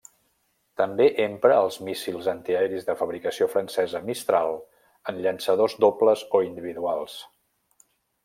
També empra els míssils antiaeris de fabricació francesa Mistral en llançadors dobles o individuals.